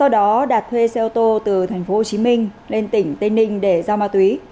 đạt thuê xe ô tô từ thành phố hồ chí minh lên tỉnh tây ninh để giao ma túy